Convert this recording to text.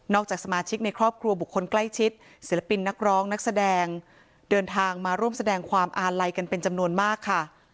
จากสมาชิกในครอบครัวบุคคลใกล้ชิดศิลปินนักร้องนักแสดงเดินทางมาร่วมแสดงความอาลัยกันเป็นจำนวนมากค่ะ